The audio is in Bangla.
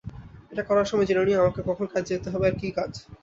এটা করার সময় জেনে নিও আমাকে কখন কাজে যেতে হবে আর কী কাজ।